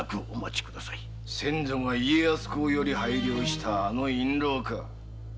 先祖が家康公より拝領したあの印ろうか。